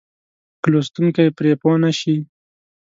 که لوستونکی پرې پوه نه شي.